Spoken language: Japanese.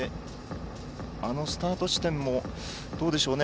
あのスタート地点もどうでしょうか。